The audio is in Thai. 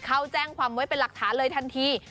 เข้าแจ้งความไว้เป็นหลักฐานเลยทันที